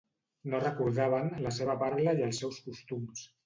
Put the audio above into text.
No recordaven la seva parla i els seus costums.